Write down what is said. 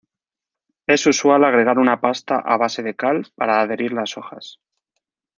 Es usual agregar una pasta a base de cal para adherir las hojas.